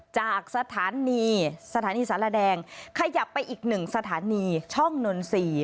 จากสถานีสรรดแดงขยับไปอีกหนึ่งสถานีช่องนนท์๔